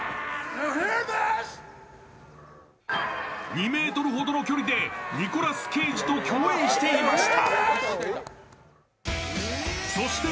２ｍほどの距離でニコラス・ケイジと共演していました。